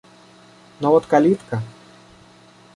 – Но вот калитка.